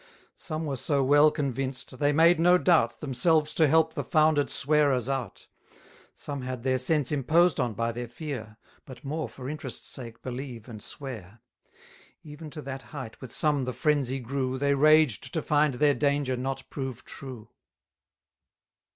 Some were so well convinced, they made no doubt Themselves to help the founder'd swearers out. Some had their sense imposed on by their fear, But more for interest sake believe and swear: 100 Even to that height with some the frenzy grew, They raged to find their danger not prove true.